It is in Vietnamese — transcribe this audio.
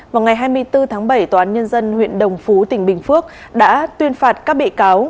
vào ngày hai mươi bốn tháng bảy tòa án nhân dân huyện đồng phú tỉnh bình phước đã tuyên phạt các bị cáo